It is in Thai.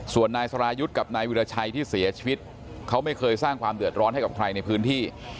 ส่วนนายสรายุทธ์กับนายวิราชัยที่เสียชีวิตเขาไม่เคยสร้างความเดือดร้อนให้กับใครในพื้นที่